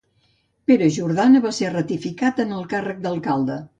Pere Jordana va ser ratificat en el càrrec d'alcalde.